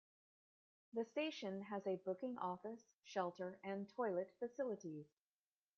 The station has a booking office, shelter and toilet facilities.